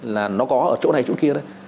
là nó có ở chỗ này chỗ kia